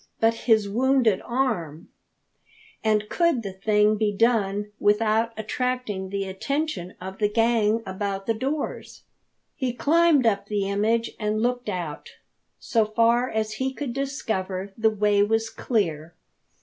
But his wounded arm! And could the thing be done without attracting the attention of the gang about the doors? He climbed up the image and looked out. So far as he could discover the way was clear.